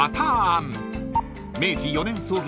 ［明治４年創業